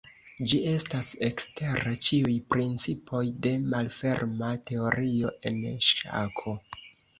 Ĝi estas ekster ĉiuj principoj de malferma teorio en ŝako.